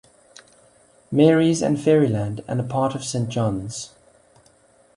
Mary's and Ferryland and a part of Saint John's.